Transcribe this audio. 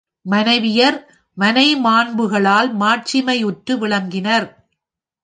மனைவியர் மனைமாண்புகளால் மாட்சிமையுற்று விளங்கினர்.